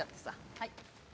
はい！